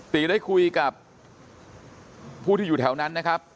ติได้คุยกับผู้ที่อยู่แถวนั้นนะครับ